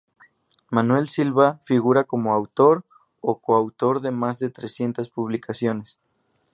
Manuel Silva figura como autor o coautor de más de trescientas publicaciones.